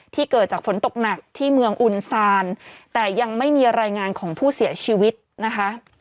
เกิดจากฝนตกหนักที่เมืองอุลซานแต่ยังไม่มีรายงานของผู้เสียชีวิตนะคะ